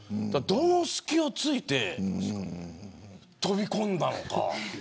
どの隙を突いて飛び込んだのか。